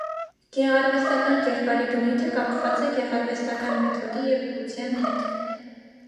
Գեղարվեստական կերպարի բնույթը կապված է գեղարվեստական մեթոդի և ուղղության հետ։